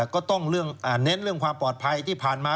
ก็ต้องเน้นเรื่องความปลอดภัยที่ผ่านมา